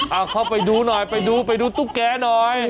เอาเข้าไปดูหน่อยไปดูไปดูตุ๊กแกหน่อย